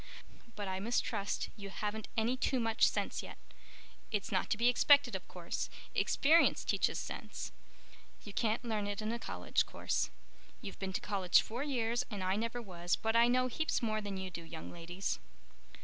"But I mistrust you haven't any too much sense yet. It's not to be expected, of course. Experience teaches sense. You can't learn it in a college course. You've been to college four years and I never was, but I know heaps more than you do, young ladies."